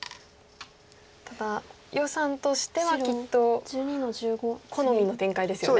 ただ余さんとしてはきっと好みの展開ですよね。